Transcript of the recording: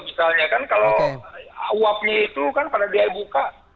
misalnya kan kalau uapnya itu kan pada dia buka